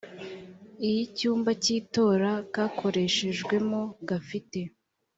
iy’icyumba cy’itora kakoreshejwemo gafite